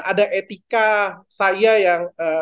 ada etika saya yang